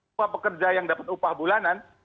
semua pekerja yang dapat upah bulanan